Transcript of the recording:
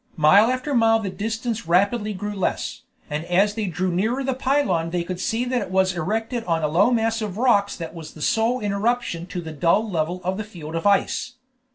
Mile after mile the distance rapidly grew less, and as they drew nearer the pylone they could see that it was erected on a low mass of rocks that was the sole interruption to the dull level of the field of ice.